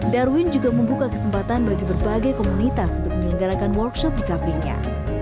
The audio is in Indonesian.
darwin juga membuka kesempatan bagi berbagai komunitas untuk menyelenggarakan workshop di kafenya